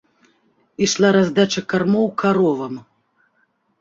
Ішла раздача кармоў каровам.